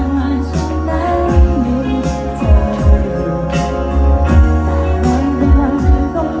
มีใครร้องได้ไหมครับ